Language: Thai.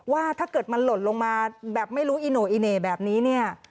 ว่าถ้าเกิดมันหล่นลงมาแบบไม่รู้อีโน่อีเหน่แบบนี้เนี่ย